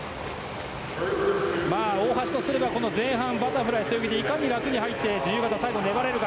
大橋とすれば前半のバタフライ、背泳ぎでいかに楽に入って自由形で最後粘れるか。